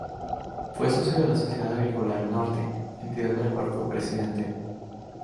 Fue socio de la Sociedad Agrícola del Norte, entidad de la cual fue presidente.